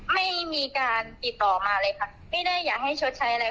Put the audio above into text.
ไม่มีการติดต่อมาเลยค่ะไม่ได้อยากให้ชดใช้อะไร